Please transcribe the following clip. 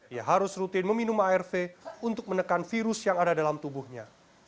ia harus rutin meminum arv untuk menekan virus yang ada dalam tubuhnya